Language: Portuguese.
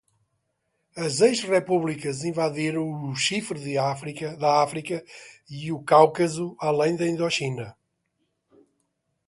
As ex-repúblicas invadiram o Chifre da África e o Cáucaso, além da Indochina